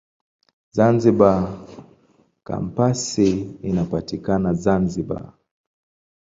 Zanzibar Kampasi inapatikana Zanzibar.